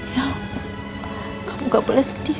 ya kamu gak boleh sedih